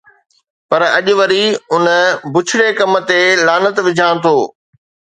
پر اڄ وري ان بڇڙي ڪم تي لعنت وجهان ٿو